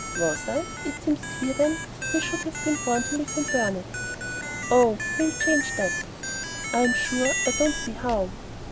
"Was I? It seems queer then that I should have been born to live in Burnet." "Oh, we'll change all that." "I'm sure I don't see how."